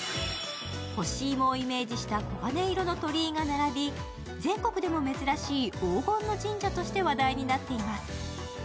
ほしいもをイメージした黄金色の鳥居が並び全国でも珍しい黄金の神社として話題になっています。